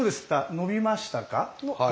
伸びましたね。